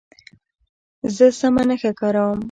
زه سمه نښه کاروم.